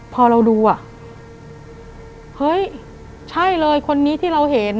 พอเราดูอ่ะเฮ้ยใช่เลยคนนี้ที่เราเห็น